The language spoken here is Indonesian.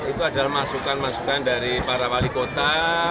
itu adalah masukan masukan dari para wali kota